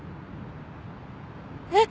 えっ？